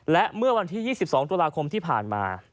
และเมื่อวันที่๒๒ตุลาคมที่ผ่านมา